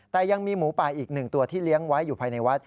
แต่ยังมีหมูป่าอีกหนึ่งตัวที่เลี้ยงไว้อยู่ภายในวัด